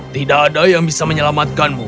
tidak ada yang bisa menyelamatkanmu